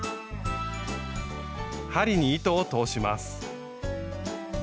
針に糸を通します。